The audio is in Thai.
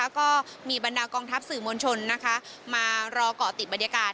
ก็มีบรรดากองทัพสื่อมวลชนมารอเกาะติดบรรยากาศ